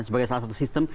sebagai salah satu sistem